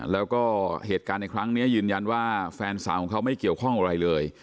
แล้วก็เหตุการณ์ในครั้งนี้ยืนยันว่าแฟนสาวของเขาไม่เกี่ยวข้องอะไรเลย